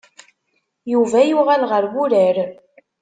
Yuba yuɣal ɣer urar.